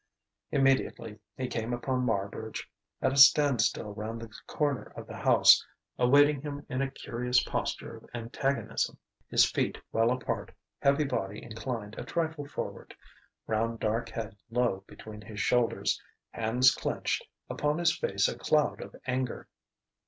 Immediately he came upon Marbridge at a standstill round the corner of the house, awaiting him in a curious posture of antagonism: his feet well apart, heavy body inclined a trifle forward, round dark head low between his shoulders, hands clenched, upon his face a cloud of anger.